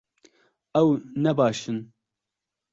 Ew ne baş in